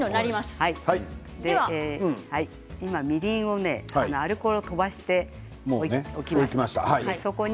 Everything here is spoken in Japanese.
今、みりんをねアルコールを飛ばしておきました。